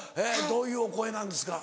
どういうお声なんですか？